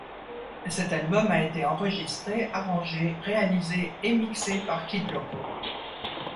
Cet album a été enregistré, arrangé, réalisé et mixé par Kid Loco.